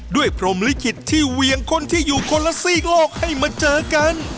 พรมลิขิตที่เวียงคนที่อยู่คนละซีกโลกให้มาเจอกัน